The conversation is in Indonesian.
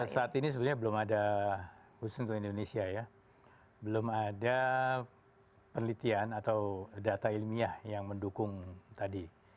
saat ini sebenarnya belum ada khusus untuk indonesia ya belum ada penelitian atau data ilmiah yang mendukung tadi